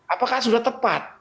apakah sudah tepat